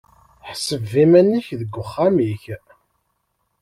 Ḥseb iman-ik deg uxxam-ik.